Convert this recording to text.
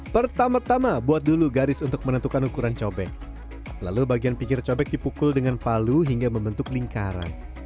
pertama tama buat dulu garis untuk menentukan ukuran cobek lalu bagian pinggir cobek dipukul dengan palu hingga membentuk lingkaran